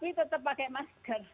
tapi tetap pakai masker